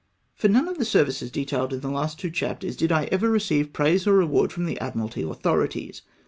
For none of the services detailed in the last two chapters did I ever receive praise or reward from the Admiralty authorities